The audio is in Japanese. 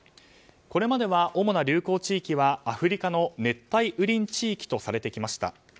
これまでは主な流行地域はアフリカの熱帯雨林地域とされてきました。